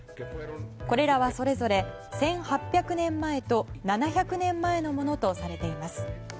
これらは、それぞれ１８００年前と７００年前のものとされています。